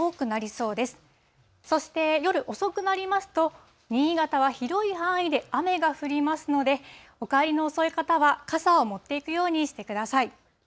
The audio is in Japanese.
そして、夜遅くなりますと、新潟は広い範囲で雨が降りますので、お帰りの遅い方は傘を持っていくようにしてください。